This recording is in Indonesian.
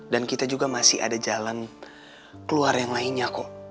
dan kita juga masih ada jalan keluar yang lainnya kok